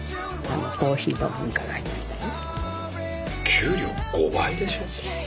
給料５倍でしょ？